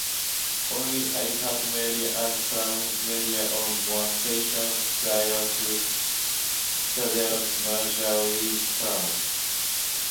Only iHeartMedia and Cumulus Media owned more stations prior to Citadel's merger with Cumulus.